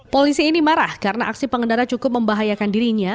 polisi ini marah karena aksi pengendara cukup membahayakan dirinya